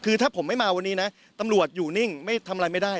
คือถ้าผมไม่มาวันนี้นะตำรวจอยู่นิ่งไม่ทำอะไรไม่ได้